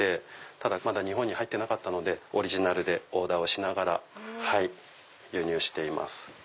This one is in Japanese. ただまだ日本に入ってなかったのでオリジナルでオーダーをしながら輸入しています。